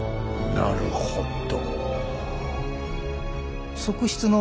なるほど。